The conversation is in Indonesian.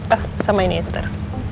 ah sama ini ntar